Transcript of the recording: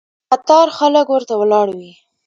قطار خلک ورته ولاړ وي.